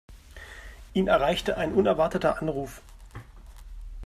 Ihn erreichte ein unerwarteter Anruf.